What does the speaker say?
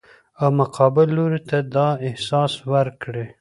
او مقابل لوري ته دا احساس ورکړي